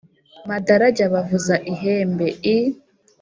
madarajya bavuza ihembe l